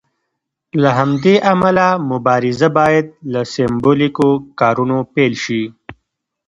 له همدې امله مبارزه باید له سمبولیکو کارونو پیل شي.